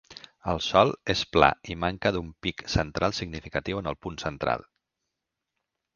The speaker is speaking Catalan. El sòl és pla i manca d'un pic central significatiu en el punt central.